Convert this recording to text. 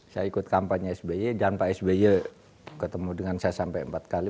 saya ikut kampanye sby dan pak sby ketemu dengan saya sampai empat kali